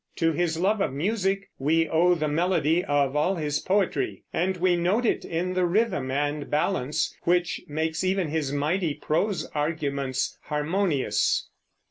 To his love of music we owe the melody of all his poetry, and we note it in the rhythm and balance which make even his mighty prose arguments harmonious.